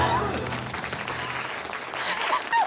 ありがとう！